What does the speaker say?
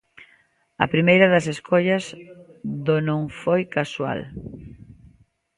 A primeira das escollas do non foi casual.